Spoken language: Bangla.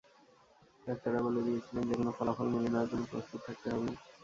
ডাক্তাররা বলে দিয়েছিলেন, যেকোনো ফলাফল মেনে নেওয়ার জন্য প্রস্তুত থাকতে হবে।